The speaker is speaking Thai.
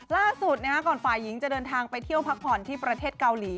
ล่าสุดก่อนฝ่ายหญิงจะเดินทางไปเที่ยวพักผ่อนที่ประเทศเกาหลี